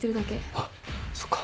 あっそっか。